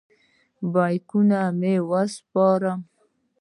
بیکونه مې وسپارم.